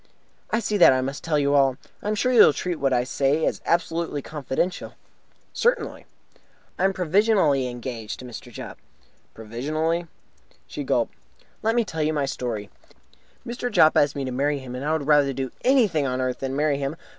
"I see that I must tell you all. I am sure you will treat what I say as absolutely confidential." "Certainly." "I am provisionally engaged to Mr. Jopp." "Provisionally?" She gulped. "Let me tell you my story. Mr. Jopp asked me to marry him, and I would rather do anything on earth than marry him.